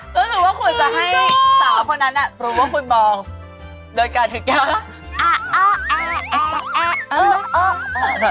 อ่ะรู้สึกว่าคุณจะให้ตอบเหมือนคนนั้นรู้ว่าคุณบอกโดยการถือก้าวแล้ว